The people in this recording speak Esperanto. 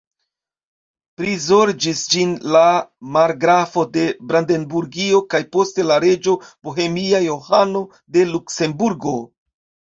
Prizorĝis ĝin la margrafo de Brandenburgio kaj poste la reĝo bohemia Johano de Luksemburgo.